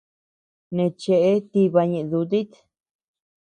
Neʼe cheʼe tiba ñeʼe dutit.